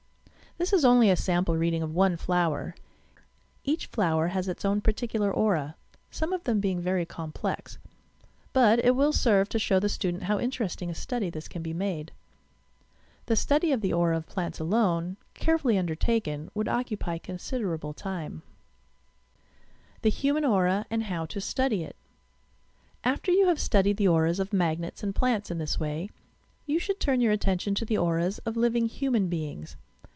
This is only a sample reading of one flower. Each flower has its own particular aura {some of them being very complex) ; but it will serve to show the student how interesting a study this can be made. The study of the aura of plants alone, carefully undertaken, would occupy considerable time. 4 THE HUMAN AURA THE HUMAN AURA AND HOW TO STUDY IT After you have studied the auras of magnets and plants in this way, you should turn your attention to the auras of living, human beings.